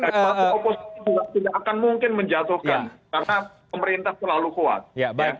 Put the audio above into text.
tidak akan mungkin menjatuhkan karena pemerintah terlalu kuat